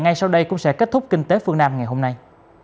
ngay sau đây cũng sẽ kết thúc kinh tế phương nam ngày hôm nay